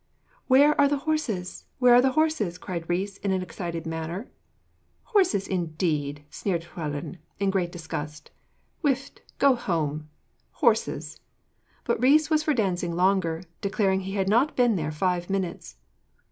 'Where are the horses? where are the horses?' cried Rhys in an excited manner. 'Horses, indeed!' sneered Llewellyn, in great disgust; 'wfft! go home. Horses!' But Rhys was for dancing longer, declaring he had not been there five minutes.